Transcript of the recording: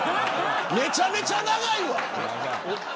めちゃめちゃ長いわ。